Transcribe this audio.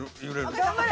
頑張れ！